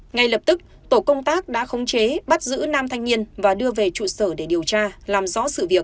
ngay lập tức tổ công tác đã khống chế bắt giữ nam thanh niên và đưa về trụ sở để điều tra làm rõ sự việc